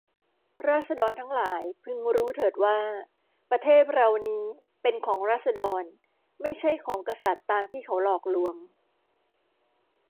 ราษฎรทั้งหลายพึงรู้เถิดว่า ประเทศเรานี้เป็นของราษฎร ไม่ใช่ของกษัตริย์ตามที่เขาหลอกลวง